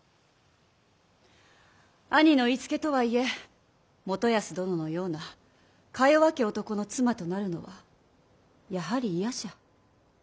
兄の言いつけとはいえ元康殿のようなかよわき男の妻となるのはやはり嫌じゃ。